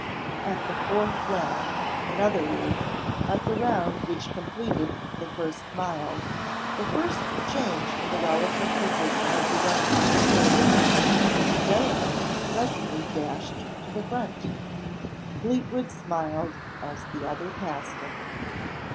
At the fourth round in other words, at the round which completed the first mile, the first change in the relative position of the runners occurred. Delamayn suddenly dashed to the front. Fleetwood smiled as the other passed him.